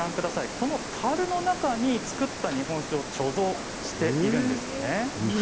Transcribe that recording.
このたるの中に造った日本酒を貯蔵しているんです。